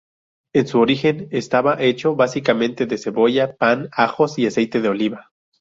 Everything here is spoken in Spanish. En su origen, estaba hecho básicamente de cebolla, pan, ajos y aceite de oliva.